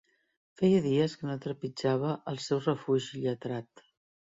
Feia dies que no trepitjava el seu refugi lletrat.